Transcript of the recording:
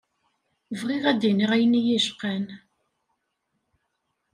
Bɣiɣ ad d-iniɣ ayen iyi-icqan.